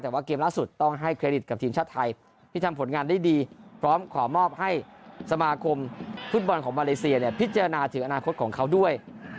แต่ว่าเกมล่าสุดต้องให้เครดิตกับทีมชาติไทยที่ทำผลงานได้ดีพร้อมขอมอบให้สมาคมฟุตบอลของมาเลเซียเนี่ยพิจารณาถึงอนาคตของเขาด้วย